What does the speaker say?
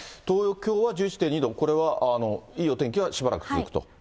東京は１１．２度、これは、いいお天気はしばらく続くと。